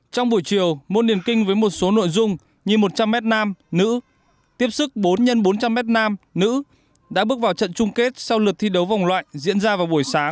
trong buổi chiều môn điển kinh với một số nội dung như một trăm linh m nam nữ tiếp sức bốn x bốn trăm linh m nam nữ đã bước vào trận chung kết sau lượt thi đấu vòng loại diễn ra vào buổi sáng